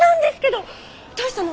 どうしたの？